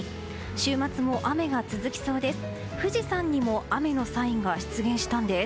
週末も雨が続きそうです。